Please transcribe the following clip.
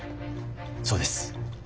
そうです。